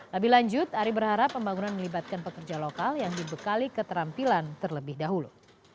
lebih lanjut ari berharap pembangunan melibatkan pekerja lokal yang dibekali keterampilan terlebih dahulu